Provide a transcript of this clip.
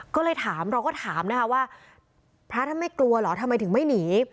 ก็เลยถามเราก็ถามนะคะว่าพระท่านไม่กลัวเหรอทำไมถึงไม่หนี